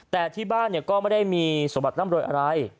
แต่ที่บ้านก็ไม่ได้มีสมบัติร่ำรวยอะไร